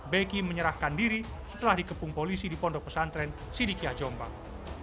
beki menyerahkan diri setelah dikepung polisi di pondok pesantren sidikiah jombang